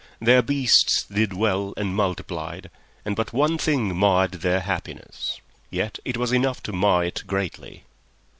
Their beasts did well and multiplied, and but one thing marred their happiness. Yet it was enough to mar it greatly.